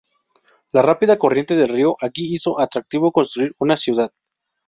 La rápida corriente del río aquí hizo atractivo construir una ciudad.